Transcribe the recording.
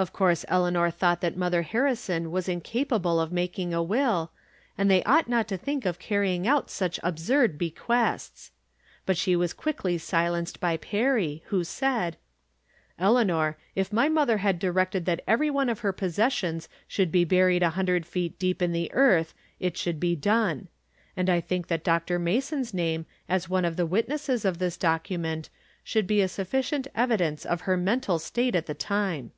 Of course Eleanor thought that Mother Harrison was incapable of making a will, and they ought not to think of carrying out such absurd be quests. But she was quickly silenced by Perry, who said :" Eleanor, if my mother had directed that every one of her possessions should be buried a hundred feet deep in the earth it should be done ; From Different Standpoints. 297 and 1 think that Dr. Mason's name as one of the witnesses of this docunaent should be a sufficient evidence of her mental state at the time."